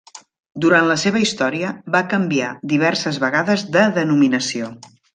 Durant la seva història va canviar diverses vegades de denominació.